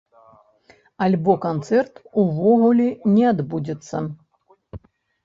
Альбо канцэрт увогуле не адбудзецца.